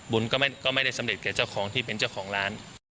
บุญก็ไม่ได้สำเร็จแก่เจ้าของที่เป็นเจ้าของร้าน